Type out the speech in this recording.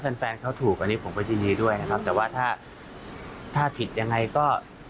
แฟนแฟนเขาถูกอันนี้ผมก็ยินดีด้วยนะครับแต่ว่าถ้าถ้าผิดยังไงก็